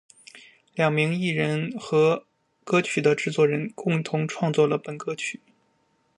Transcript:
两名艺人和歌曲的制作人共同创作了本歌曲。